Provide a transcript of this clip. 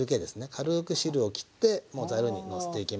軽く汁をきってもうざるにのせていきます。